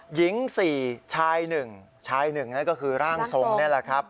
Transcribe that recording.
หญิง๔ชาย๑ชาย๑นั่นก็คือร่างทรงนี่แหละครับ